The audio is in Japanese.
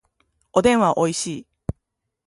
おでんはおいしい